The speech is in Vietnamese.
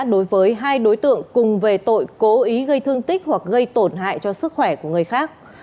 đối với hai đối tượng cùng về tội cố ý gây thương tích hoặc gây tổn hại cho sức khỏe của người khác